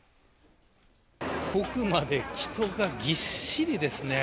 奥まで人がぎっしりですね。